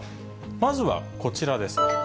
まずはこちらです。